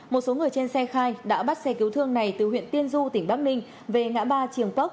một số người trên xe khai đã bắt xe cứu thương này từ huyện tiên du tỉnh bắc ninh về ngã ba trường park